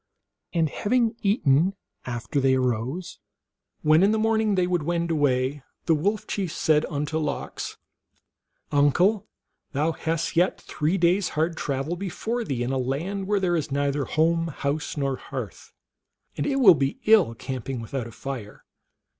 And having eaten after they arose, when in the morning they would wend away, the Wolf Chief said unto Lox, " Uncle, thou hast yet three days hard travel before thee in a land where there is neither home, house, nor hearth, and it will be ill camping without a fire.